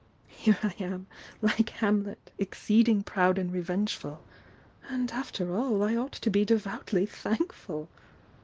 "Here I am, like Hamlet, 'exceeding proud and revengeful,' and after all I ought to be devoutly thankful!"